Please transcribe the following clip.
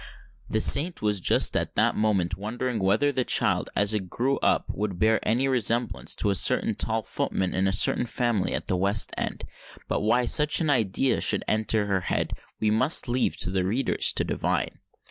The saint was just at that moment wondering whether the child, as it grew up, would bear any resemblance to a certain tall footman in a certain family at the West End: but why such an idea should enter her head, we must leave to the readers to divine.